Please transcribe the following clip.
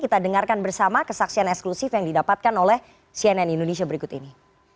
kita dengarkan bersama kesaksian eksklusif yang didapatkan oleh cnn indonesia berikut ini